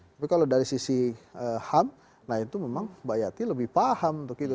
tapi kalau dari sisi ham nah itu memang mbak yati lebih paham untuk itu